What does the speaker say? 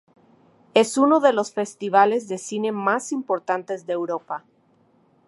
Es uno de los festivales de cine más importantes de Europa.